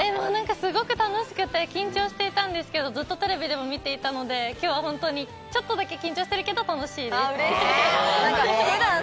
すごく楽しくて緊張していたんですけど、ずっとテレビでも見ていたので、ちょっとだけ緊張しているけど楽しいです。